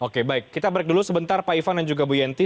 oke baik kita break dulu sebentar pak ivan dan juga bu yenti